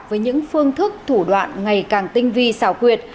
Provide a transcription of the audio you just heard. với những phương thức thủ đoạn ngày càng tinh vi xảo quyệt